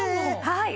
はい。